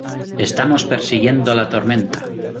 estamos persiguiendo la tormenta.